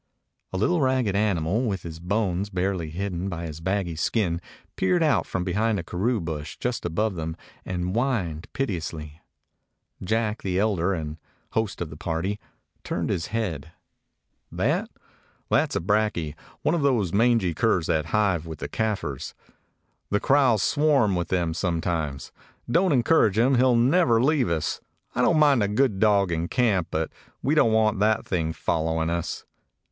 A little ragged animal, with his bones barely hidden by his baggy skin, peered out from behind a karoo bush just above them, and whined piteously. Jack, the elder, and host of the party, turned his head. "That? That's a brakje; one of those 186 A KAFIR DOG mangy curs that hive with the Kafirs. The kraals swarm with them sometimes. Don't encourage him; he 'll never leave us. I don't mind a good dog in camp, but we don't want that thing following us.